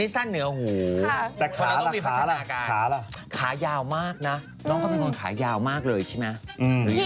แต่ขาละขายาวมากนะน้องก็เป็นคนขายาวมากเลยใช่มั้ย